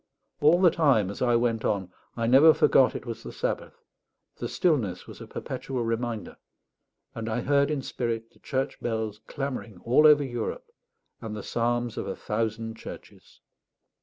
All the time as I went on I never forgot it was the Sabbath; the stillness was a perpetual reminder; and I heard in spirit the church bells clamouring all over Europe, and the psalms of a thousand churches.